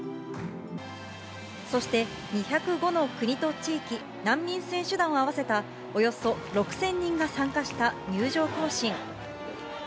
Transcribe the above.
そして、２０５の国と地域、難民選手団を合わせた、およそ６０００人が参加した入場行進。